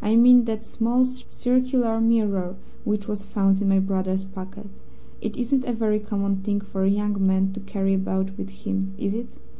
I mean that small, circular mirror which was found in my brother's pocket. It isn't a very common thing for a young man to carry about with him, is it?